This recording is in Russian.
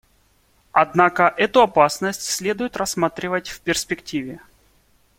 Однако эту опасность следует рассматривать в перспективе.